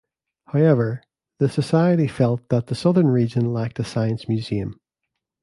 However, the society felt that the southern region lacked a science museum.